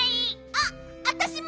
あっわたしも！